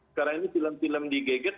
sekarang ini film film di geger